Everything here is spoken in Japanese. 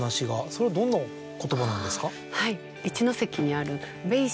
それはどんな言葉なんですか？